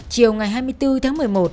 chiều ngày hai mươi bốn tháng một mươi một